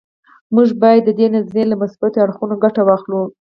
موږ باید د دې نظریې له مثبتو اړخونو ګټه واخلو